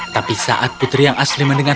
tapi saat putri yang asli mendengar